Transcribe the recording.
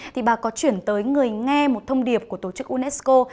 thì bà có chuyển tới người nghe một thông điệp của tổ chức unesco